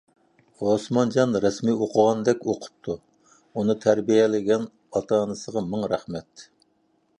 ئوسمانجان رەسمىي ئوقۇغاندەك ئوقۇپتۇ. ئۇنى تەربىيەلىگەن ئاتا-ئانىسىغا مىڭ رەھمەت!